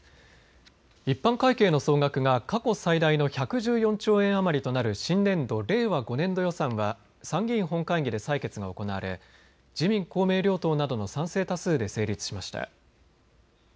一般会計の総額が過去最大の１１４兆円余りとなる新年度令和５年度予算は参議院本会議で採決が行われ自民公明両党などの賛成多数で成立しました。